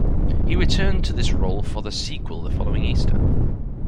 He returned to this role for a sequel the following Easter.